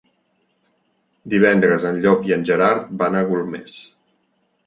Divendres en Llop i en Gerard van a Golmés.